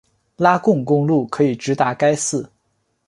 拉贡公路可以直达该寺。